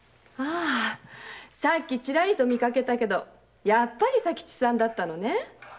さっきちらりと見かけたけどやっぱり佐吉さんだったのね。